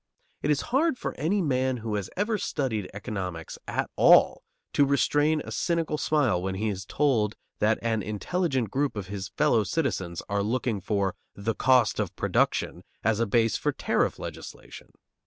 It is hard for any man who has ever studied economics at all to restrain a cynical smile when he is told that an intelligent group of his fellow citizens are looking for "the cost of production" as a basis for tariff legislation.